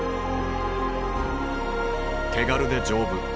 手軽で丈夫。